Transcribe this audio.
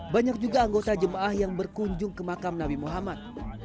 banyak juga anggota jemaah yang berkunjung ke makam nabi muhammad